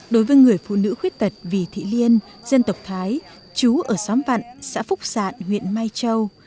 đối với người phụ nữ khuyết tật vì thị liên dân tộc thái chú ở xóm vạn xã phúc sạn huyện mai châu